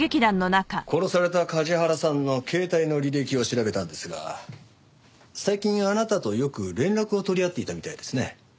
殺された梶原さんの携帯の履歴を調べたんですが最近あなたとよく連絡を取り合っていたみたいですね。